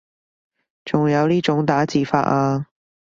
仲有呢種打字法啊